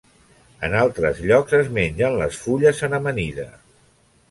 En altres llocs es mengen les fulles en amanida.